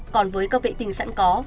còn với các vệ tinh sẵn có